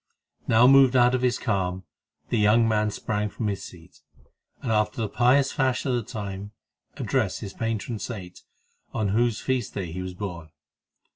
Now moved out of his calm, the young man sprang from his seat, and, after the pious fashion of the time, addressed his patron saint, on whose feast day he was born.